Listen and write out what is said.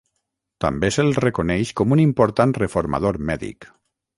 També se'l reconeix com un important reformador mèdic.